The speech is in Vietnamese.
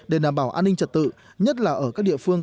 để đảm bảo an ninh trật tự nhất là ở các địa phương